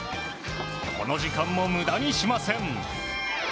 この時間も無駄にしません。